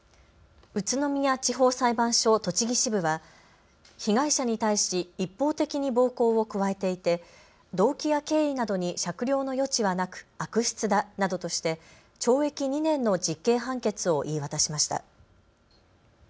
宇都宮地方裁判所栃木支部は被害者に対し一方的に暴行を加えていて動機や経緯などに酌量の余地はなく悪質だなどとして懲役２年の実刑判決を言い渡しました。